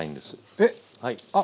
えっ？